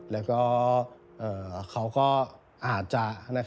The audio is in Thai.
แล้วก็เขาก็อาจจะ